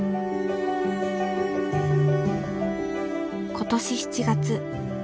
今年７月。